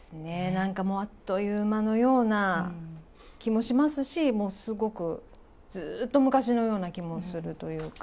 なんかもうあっという間のような気もしますし、もうすごくずっと昔のような気もするというか。